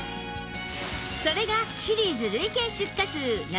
それがシリーズ累計出荷数７０万